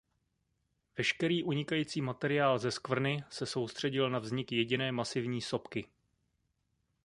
Veškerý unikající materiál ze skvrny se soustředil na vznik jediné masivní sopky.